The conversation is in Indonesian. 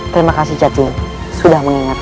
terima kasih cacing sudah mengingatkan